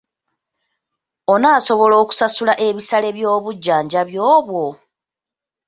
Onaasobola okusasula ebisale by'obujjanjabi obwo?